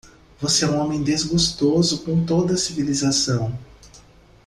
Você é um homem desgostoso com toda a civilização.